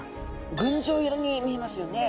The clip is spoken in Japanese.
群青色に見えますよね。